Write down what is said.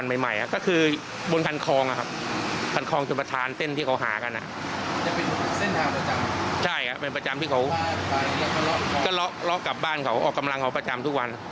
ใช่เป็นประจำที่เขาล๊อคกลับบ้านเขาออกกำลังเขาประจำทุกวัน